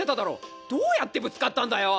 どうやってぶつかったんだよ！